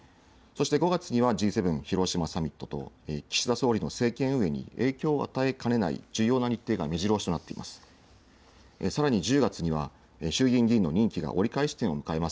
５月にはＧ７広島サミットと岸田総理の政権運営に影響を与えかねない重要な日程がめじろ押しとなっています。